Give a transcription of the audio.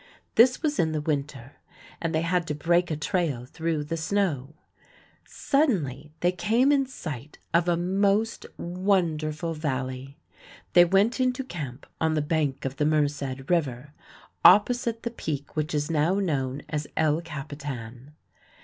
This was in the winter, and they had to break a trail through the snow. Suddenly they came in sight of a most wonderful valley. They went into camp on the bank of the Merced River, opposite the peak which is now known as El Capitan.